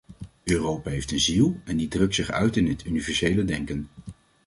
Europa heeft een ziel, en die drukt zich uit in het universele denken.